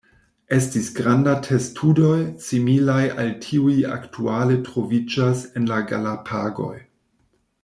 Estis granda testudoj, similaj al tiuj aktuale troviĝas en la Galapagoj.